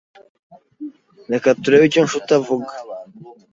Reka turebe icyo Nshuti avuga.